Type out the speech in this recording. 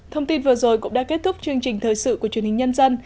thông tin vừa rồi cũng đã kết thúc chương trình thời sự của truyền hình nhân dân